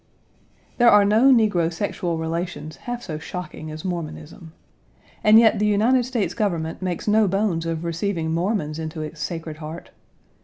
There are no negro sexual relations half so shocking as Mormonism. And yet the United States Government makes no bones of receiving Mormons into its sacred heart.